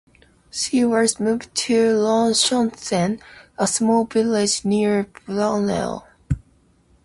She was moved to Ranshofen, a small village near Braunau.